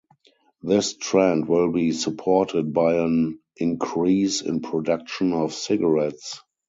This trend will be supported by an increase in production of cigarettes.